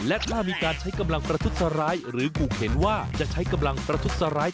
และถ้ามีการใช้กำลังประทุดสาราย